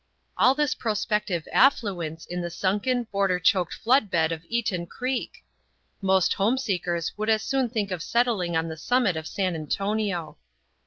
All this prospective affluence in the sunken, boulder choked flood bed of Eaton Creek! Most home seekers would as soon think of settling on the summit of San Antonio.